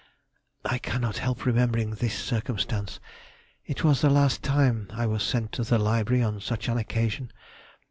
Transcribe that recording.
I cannot help remembering this circumstance, it was the last time I was sent to the library on such an occasion.